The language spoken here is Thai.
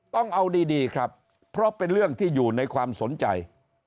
ต้องเอาดีครับเพราะเป็นเรื่องที่อยู่ในความสนใจ